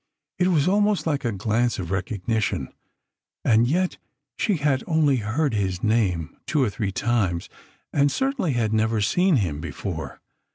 It was almost like a glance of recognition, and yet she had only heard his name two or three times, and certainly had never seen him before.